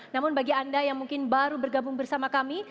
namun bagi anda yang mungkin baru bergabung bersama kami